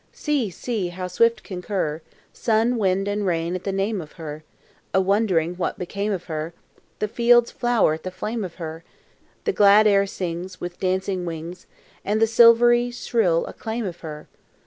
See! see! How swift concur Sun, wind, and rain at the name of her, A wondering what became of her; The fields flower at the flame of her; The glad air sings With dancing wings And the silvery shrill acclaim of her.